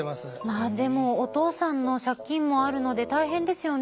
まあでもお父さんの借金もあるので大変ですよね。